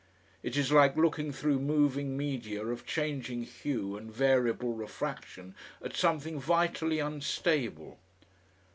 It is like looking through moving media of changing hue and variable refraction at something vitally unstable.